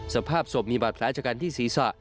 สภาพสบมีบาดแผลจากการที่ศีรษะ